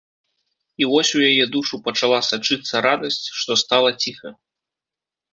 І вось у яе душу пачала сачыцца радасць, што стала ціха.